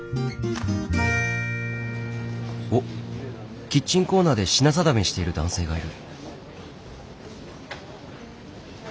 おっキッチンコーナーで品定めしている男性がいる。